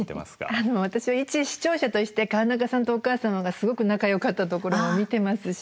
あの私は一視聴者として川中さんとお母様がすごく仲よかったところも見てますし。